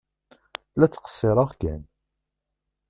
La ttqeṣṣiṛeɣ kan.